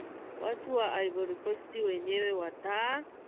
watu wa ivory coast wenyewe wataa